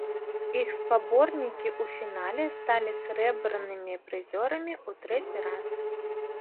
Іх спаборнікі ў фінале сталі срэбранымі прызёрамі ў трэці раз.